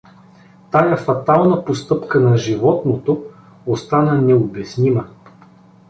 Тая фатална постъпка на животното остана необяснима.